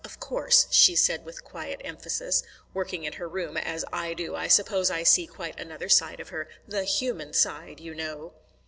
"Of course," she said, with quiet emphasis, "working in her room, as I do, I suppose I see quite another side of her the human side, you know."